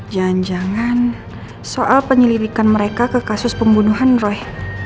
jangan jangan soal penyelidikan mereka ke kasus pembunuhan roy